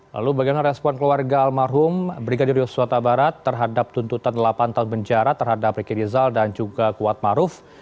lalu bagaimana respon keluarga almarhum brigadir yosua tabarat terhadap tuntutan delapan tahun penjara terhadap riki rizal dan juga kuat maruf